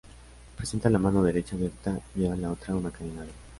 Presenta la mano derecha abierta y lleva en la otra una cadena de oro.